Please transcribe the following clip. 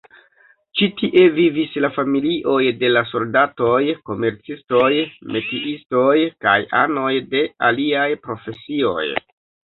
Ĉi- tie vivis la familioj de la soldatoj, komercistoj, metiistoj kaj anoj de aliaj profesioj.